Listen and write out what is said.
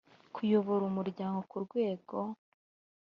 kuyobora umuryango ku rwego